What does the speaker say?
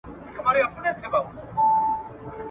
ښوونکی زده کوونکي هڅوي.